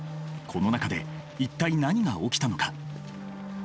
この中で一体何が起きたのか？